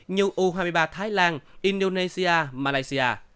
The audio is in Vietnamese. như u hai mươi ba thái lan indonesia malaysia